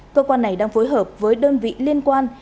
cơ quan này đang phối hợp với đơn vị liên quan